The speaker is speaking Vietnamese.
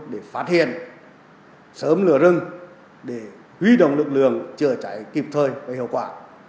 để phát hiện sớm lửa rừng để huy động lực lượng chữa cháy kịp thời và hiệu quả